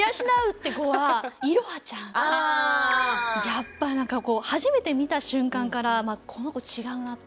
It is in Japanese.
やっぱなんかこう初めて見た瞬間からこの子違うなって。